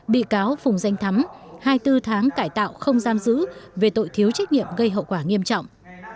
bị cáo phùng danh thắm hai mươi bốn tháng cải tạo không giam giữ về tội thiếu trách nhiệm gây hậu quả nghiêm trọng